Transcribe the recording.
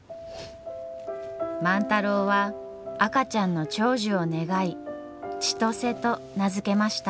万太郎は赤ちゃんの長寿を願い千歳と名付けました。